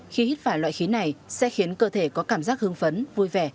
khi hít phải loại khí này sẽ khiến cơ thể có cảm giác hương phấn vui vẻ